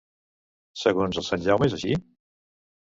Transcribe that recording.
Segons el sant Jaume és així?